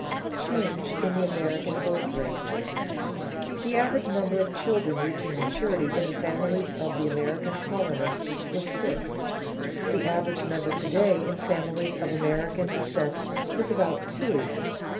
[Sidenote: Change in the American birth rate] The average number of children reaching maturity in the families of the American colonists was six; the average number to day in families of American descent is about two.